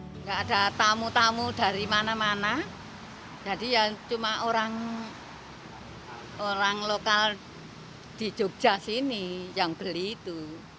tidak ada tamu tamu dari mana mana jadi ya cuma orang lokal di jogja sini yang beli itu